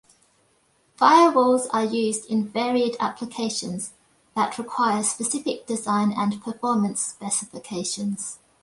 Firewalls are used in varied applications that require specific design and performance specifications.